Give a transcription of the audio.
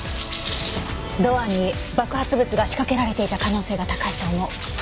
ドアに爆発物が仕掛けられていた可能性が高いと思う。